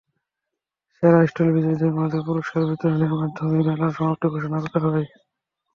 সেরা স্টল বিজয়ীর মাঝে পুরস্কার বিতরণের মাধ্যমে মেলার সমাপ্তি ঘোষণা করা হয়।